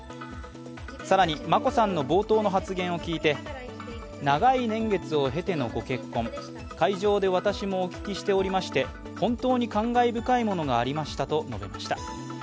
更に眞子さんの冒頭の発言を聞いて、長い年月を経てのご結婚会場でも私もお聞きしておりまして本当に感慨深いものがありましたと述べました。